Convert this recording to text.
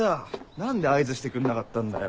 何で合図してくんなかったんだよ。